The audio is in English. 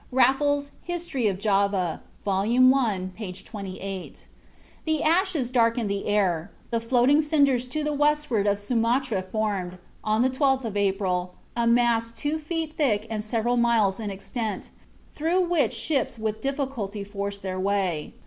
(Raffles's "History of Java," vol. i., p. 28.) The ashes darkened the air; "the floating cinders to the westward of Sumatra formed, on the 12th of April, a mass two feet thick and several miles in extent, through which ships with difficulty forced their way."